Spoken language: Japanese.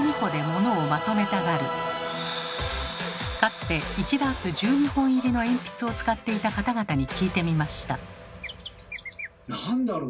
かつて１ダース１２本入りの鉛筆を使っていた方々に聞いてみました。